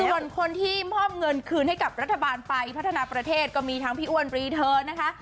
ส่วนคนที่มอบเงินคืนให้กับรัฐบาลไปพัฒนาประเทศก็มีทั้งพี่อ้วนรีเทิร์นนะคะ